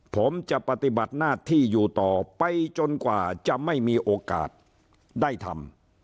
ผมจะปฏิบัติหน้าที่อยู่ต่อไปจนกว่าจะไม่มีโอกาสได้ทำ